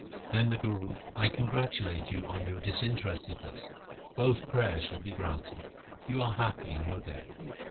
Then the Guru :' I congratulate you on your disinterestedness. Both prayers shall be granted. You are happy in your death.'